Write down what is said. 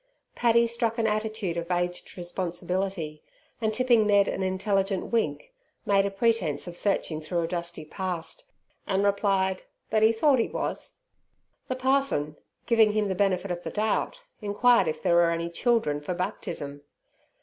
Paddy struck an attitude of aged responsibility, and, tipping Ned an intelligent wink, made a pretence of searching through a dusty past, and replied that he thought he was. The parson, giving him the benefit of the doubt, inquired if there were any children for baptism.